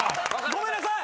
ごめんなさい！